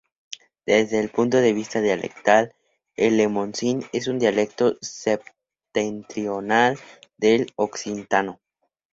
Desde el punto de vista dialectal el lemosín es un dialecto septentrional del occitano.